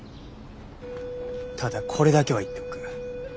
ただこれだけは言っておく。